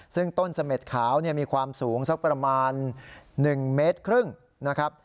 ซึ่งต้นเสม็ดขาวมีความสูงสักประมาณ๑เมตรครึ่งนะครับ